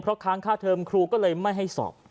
เพราะค้างค่าเทิมครูก็เลยไม่ให้สอบ